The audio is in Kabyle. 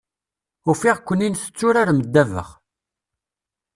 Ufiɣ-ken-in tetturarem ddabax.